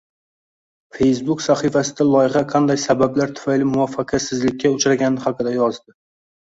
Facebook sahifasida loyiha qanday sabablar tufayli muvaffaqiyatsizlikka uchragani haqida yozdi.